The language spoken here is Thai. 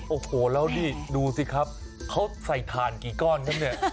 โอ้โหแล้วนี่ดูสิครับเขาใส่ถ่านกี่ก้อนครับเนี่ย